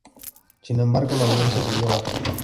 Sin embargo, la audiencia siguió baja.